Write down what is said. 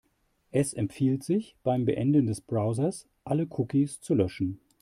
Es empfiehlt sich, beim Beenden des Browsers alle Cookies zu löschen.